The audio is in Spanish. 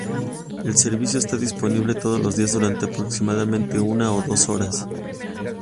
El servicio está disponible todos los días durante aproximadamente una o dos horas.